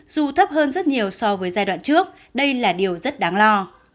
dù thấp hơn rất nhiều so với giai đoạn trước đây là điều rất đáng lo